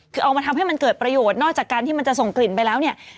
คือเอามาทำให้มันเกิดประโยชน์นอกจากการที่มันจะส่งกลิ่นไปแล้วเนี่ย